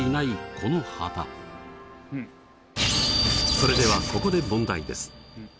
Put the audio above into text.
それではここで問題です。